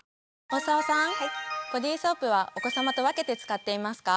ボディソープはお子さまと分けて使っていますか？